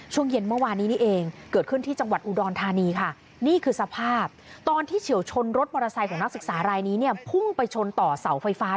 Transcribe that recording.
ช่วงเย็นเมื่อวานนี้นี่เองเกิดขึ้นที่จังหวัดอุดรธานีค่ะ